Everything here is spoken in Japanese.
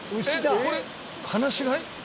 えっこれ放し飼い？